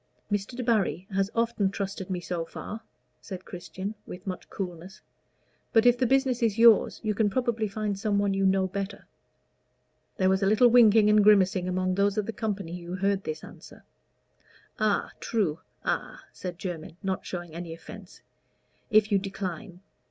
"Mr. Debarry has often trusted me so far," said Christian, with much coolness; "but if the business is yours, you can probably find some one you know better." There was a little winking and grimacing among those of the company who heard this answer. "A true a," said Jermyn, not showing any offence; "if you decline.